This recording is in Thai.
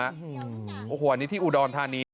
โอ้โหอันนี้ที่อุดรธานี